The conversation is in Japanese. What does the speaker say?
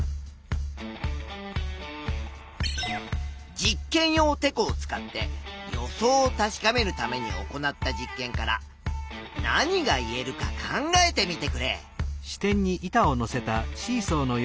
実験用てこを使って予想を確かめるために行った実験から何が言えるか考えてみてくれ。